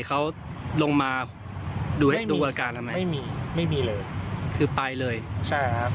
เขาลงมาดูอาการทำไมไม่มีไม่มีเลยคือไปเลยใช่ครับ